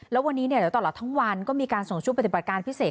แล้ววันนี้เดี๋ยวตลอดทั้งวันก็มีการส่งชุดปฏิบัติการพิเศษ